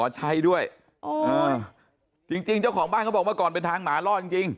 ใช่ด้วยเออจริงจริงเจ้าของบ้านเขาบอกว่าก่อนเป็นทางหมารอดจริงจริง